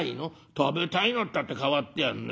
「食べたいのったって変わってやんね。